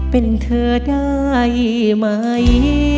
เป็นเธอได้ไหม